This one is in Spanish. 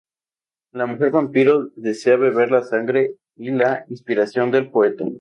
La mujer vampiro desea beber la sangre y la inspiración del poeta.